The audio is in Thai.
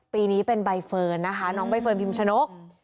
ปีนี้เป็นใบเฟิร์นนะคะน้องใบเฟิร์นพิมชนก